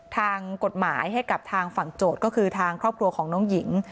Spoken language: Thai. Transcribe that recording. ทางกฎหมายให้กับทางฝั่งโจทย์ก็คือทางครอบครัวของน้องหญิง